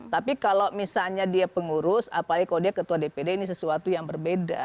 tapi kalau misalnya dia pengurus apalagi kalau dia ketua dpd ini sesuatu yang berbeda